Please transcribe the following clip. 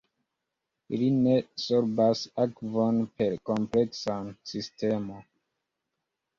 Ili ne sorbas akvon per kompleksan sistemon.